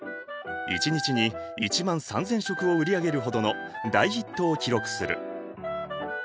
一日に１万３，０００食を売り上げるほどの大ヒットを記録する。